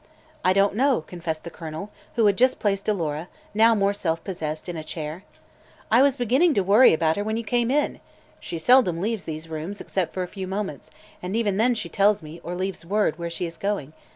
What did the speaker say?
"I don't know," confessed the Colonel, who had just placed Alora, now more self possessed, in a chair. "I was beginning to worry about her when you came in. She seldom leaves these rooms, except for a few moments, and even then she tells me, or leaves word, where she is going.